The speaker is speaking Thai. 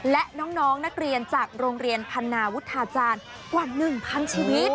และน้องนักเรียนจากโรงเรียนพันนาวุฒาจารย์กว่า๑๐๐ชีวิต